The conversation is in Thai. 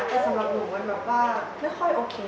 แต่สำหรับหนูมันแบบว่าไม่ค่อยโอเค